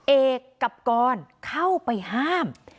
เอกกับกรเข้าไปห้าม